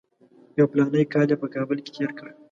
یو فلاني کال یې په کابل کې تېر کړ.